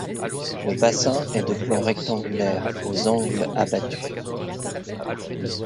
Le bassin est de plan rectangulaire aux angles abattus.